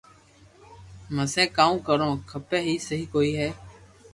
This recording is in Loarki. مپسي ڪاو ڪروُ کپي جي سھي ھوئي